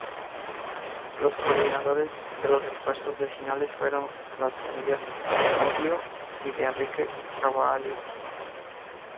Los coordinadores de los esfuerzos vecinales fueron las familias Fenoglio y de Enrique Cavallo.